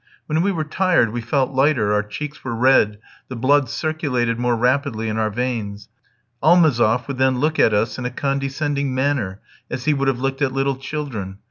When we were tired we felt lighter, our cheeks were red, the blood circulated more rapidly in our veins. Almazoff would then look at us in a condescending manner, as he would have looked at little children.